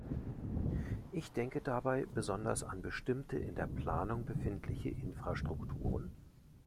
Ich denke dabei besonders an bestimmte in der Planung befindliche Infrastrukturen.